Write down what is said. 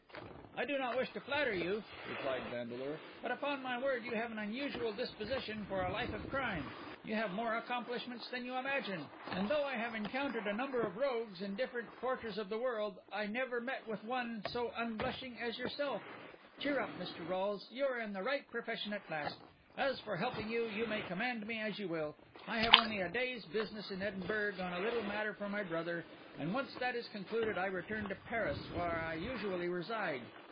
"I do not wish to flatter you," replied Vandeleur; "but upon my word, you have an unusual disposition for a life of crime. You have more accomplishments than you imagine; and though I have encountered a number of rogues in different quarters of the world, I never met with one so unblushing as yourself. Cheer up, Mr. Rolles, you are in the right profession at last! As for helping you, you may command me as you will. I have only a day's business in Edinburgh on a little matter for my brother; and once that is concluded, I return to Paris, where I usually reside.